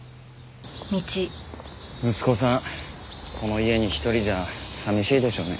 息子さんこの家に一人じゃ寂しいでしょうね。